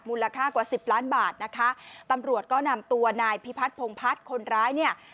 มูลค่ากว่าสิบล้านบาทนะคะตำรวจก็นำตัวนายพิพัฒนพงพัฒน์คนร้ายเนี่ย